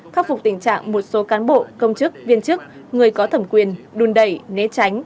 khắc phục tình trạng một số cán bộ công chức viên chức người có thẩm quyền đùn đẩy né tránh